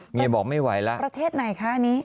เมียบอกไม่ไหวแล้วประเทศไหนคะอันนี้